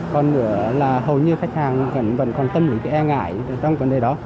còn nữa là hầu như khách hàng vẫn còn tâm lý e ngại trong vấn đề đó